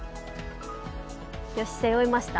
よし背負いました。